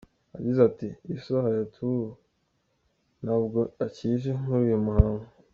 Yagize ati “Issa Hayatou ntabwo akije muri uyu muhango.